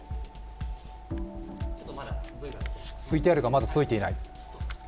ＶＴＲがまだ届いていない。